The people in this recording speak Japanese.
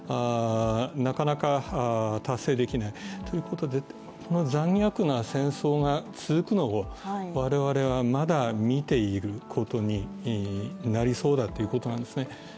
なかなか、達成できないということで残虐な戦争が続くのを我々はまだ見ていることになりそうだということなんですね。